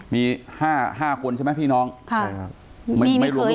มี๕คนใช่ไหมพี่น้องไม่รู้เขย